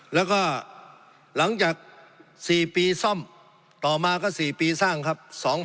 แล้วก็หลังจาก๔ปีซ่อมต่อมาก็๔ปีสร้างครับ